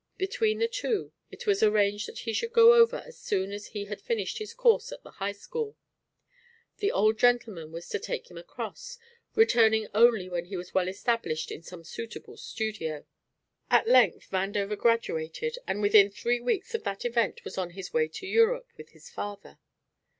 Between the two it was arranged that he should go over as soon as he had finished his course at the High School. The Old Gentleman was to take him across, returning only when he was well established in some suitable studio. At length Vandover graduated, and within three weeks of that event was on his way to Europe with his father.